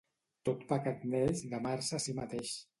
Tot pecat neix d'amar-se a si mateix.